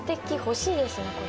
欲しいですねこれ。